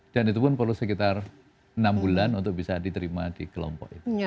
dan itu pun perlu sekitar enam bulan untuk bisa diterima di kelompok itu